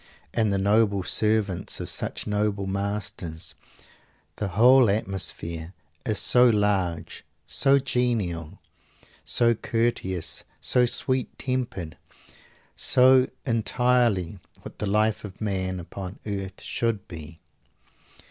And the noble servants of such noble masters! The whole atmosphere is so large, so genial, so courteous, so sweet tempered, so entirely what the life of man upon earth should be.